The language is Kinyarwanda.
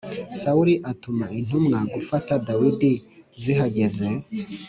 Sawuli atuma intumwa gufata Dawidi Zihageze